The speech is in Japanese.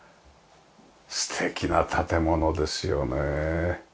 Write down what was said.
素敵な建物ですよね。